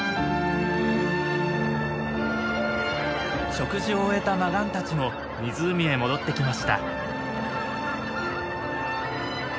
食事を終えたマガンたちも湖へ戻ってきました。